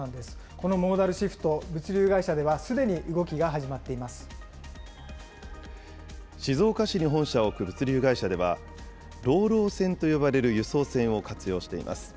このモーダルシフト、物流会社で静岡市に本社を置く物流会社では、ＲＯＲＯ船と呼ばれる輸送船を活用しています。